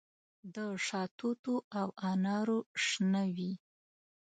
د شاتوتو او انارو شنه وي